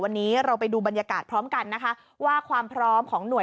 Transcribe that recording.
วันนี้เราไปดูบรรยากาศพร้อมกันนะคะว่าความพร้อมของหน่วย